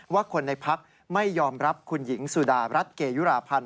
ว่าคนในพักไม่ยอมรับคุณหญิงสุดารัฐเกยุราพันธ์